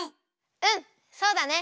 うんそうだね！